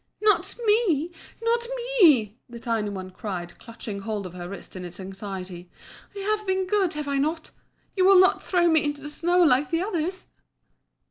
"Not me! not me!" the tiny one cried, clutching hold of her wrist in its anxiety. "I have been good, have I not? You will not throw me into the snow like the others?"